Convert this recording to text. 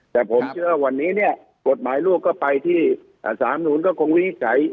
แต่ผมเชื่อว่าวันนี้เนี่ยกฎหมายลูกก็ไปที่สารมนุนก็คงวินิจฉัย